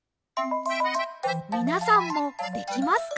みなさんもできますか？